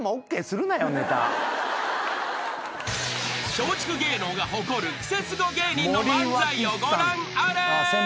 ［松竹芸能が誇るクセスゴ芸人の漫才をご覧あれ］